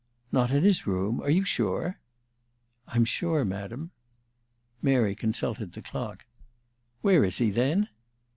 "Not in his room? Are you sure?" "I'm sure, Madam." Mary consulted the clock. "Where is he, then?"